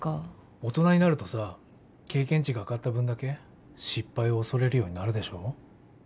大人になるとさ経験値が上がった分だけ失敗を恐れるようになるでしょうん